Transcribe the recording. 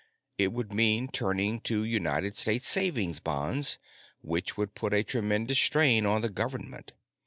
It would mean turning in United States Savings Bonds, which would put a tremendous strain on the Government.